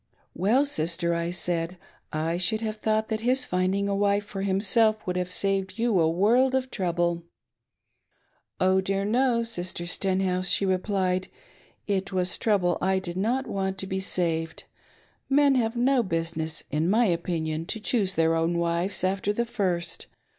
"Well Sister," I said, "I should have thought that his finding a wife for himself would have saved you a world of trouble." " Oh dear no. Sister Stenhouse," she replied, "it was trouble I did not want to be saved. Men ha, ve no business, in my opinion, to choose their own wives, after the first.